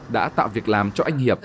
đã tạo việc làm cho anh hiệp